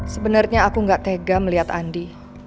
sebenarnya aku gak tega melihat andi